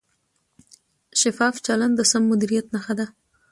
شفاف چلند د سم مدیریت نښه ده.